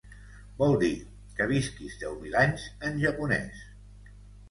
Vol dir “que visquis deu mil anys” en japonès.